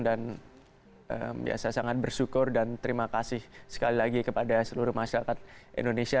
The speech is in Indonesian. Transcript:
dan saya sangat bersyukur dan terima kasih sekali lagi kepada seluruh masyarakat indonesia